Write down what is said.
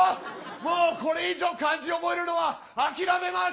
もうこれ以上漢字覚えるのは諦めます！